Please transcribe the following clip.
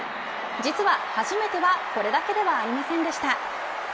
実は、初めてはこれだけではありませんでした。